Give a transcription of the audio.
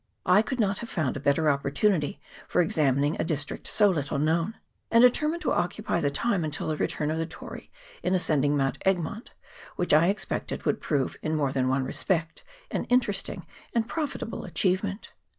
I could not have found a better opportunity for exa mining a district so little known, and determined to occupy the time until the return of the Tory in as cending Mount Egmont, which I expected would prove in more than one respect an interesting and profitable achievement.